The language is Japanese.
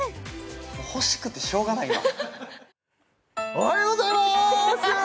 おはようございまーす！